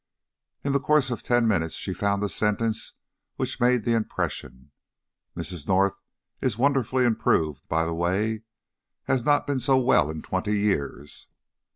In the course of ten minutes she found the sentence which had made the impression: "Mrs. North is wonderfully improved, by the way; has not been so well in twenty years."